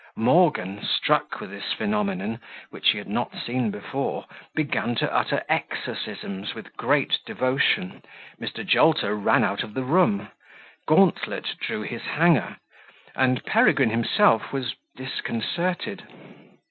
Morgan, struck with this phenomenon, which he had not seen before, began to utter exorcisms with great devotion, Mr. Jolter ran of the room, Gauntlet drew his hanger, and Peregrine himself was disconcerted.